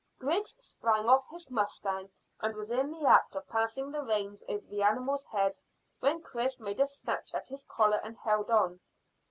Griggs sprang off his mustang, and was in the act of passing the reins over the animal's head, when Chris made a snatch at his collar and held on.